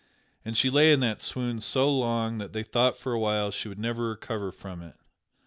And she lay in that swoon so long that they thought for a while she would never recover from it.